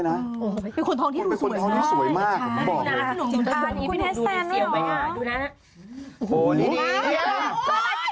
รายการที่มีหลุดคนละดอกทั้งกันเลยนะ